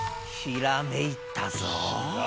ひらめいたか。